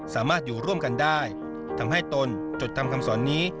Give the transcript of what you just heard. สามารถอยู่ร่วมกันได้ทำให้ตนจดจำคำสอนนี้